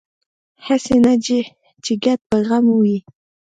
هسې نه چې ګډ په غم وي